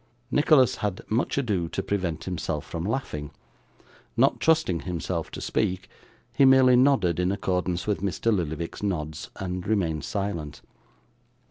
Nicholas had much ado to prevent himself from laughing; not trusting himself to speak, he merely nodded in accordance with Mr. Lillyvick's nods, and remained silent.